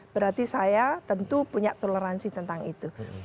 berarti saya tentu punya toleransi tentang itu